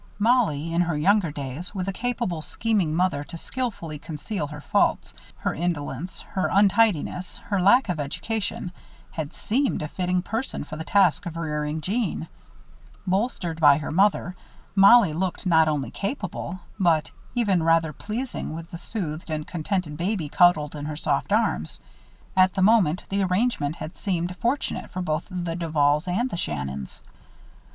Mollie, in her younger days, with a capable, scheming mother to skillfully conceal her faults her indolence, her untidiness, her lack of education had seemed a fitting person for the task of rearing Jeanne. Bolstered by her mother, Mollie looked not only capable, but even rather pleasing with the soothed and contented baby cuddled in her soft arms. At the moment, the arrangement had seemed fortunate for both the Duvals and the Shannons.